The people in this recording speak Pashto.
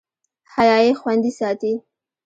حیا یې خوندي ساتي.